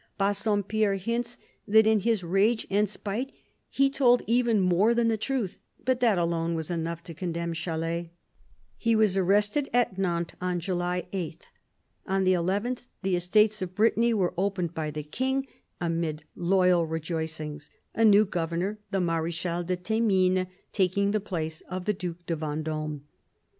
Bassompierre hints that in his rage and spite he told even more than the truth ; but that alone was enough to condemn Chalais. He was arrested at Nantes on July 8. On the nth, the Estates of Brittany were opened by the King amid loyal rejoicings, a new governor, the Mar6chal de Thymines, taking the place of the Due de VendOme.